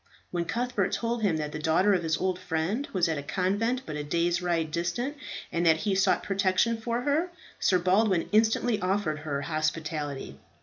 When Cuthbert told him that the daughter of his old friend was at a convent but a day's ride distant, and that he sought protection for her, Sir Baldwin instantly offered her hospitality.